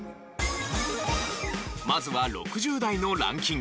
まずは６０代のランキング。